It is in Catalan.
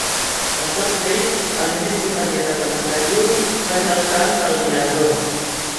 De tots ells, el més important i representatiu va ser el Camp del Guinardó.